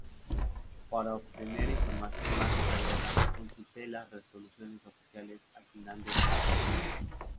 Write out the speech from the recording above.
Para obtener información más detallada, consulte las resoluciones oficiales al final de este artículo.